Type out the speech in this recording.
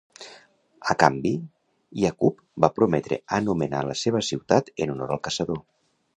A canvi, Yaqub va prometre anomenar la seva ciutat en honor al caçador.